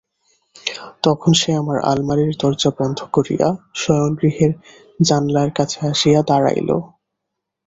তখন সে আবার আলমারির দরজা বন্ধ করিয়া শয়নগৃহের জানলার কাছে আসিয়া দাঁড়াইল।